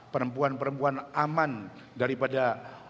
perempuan perempuan aman daripada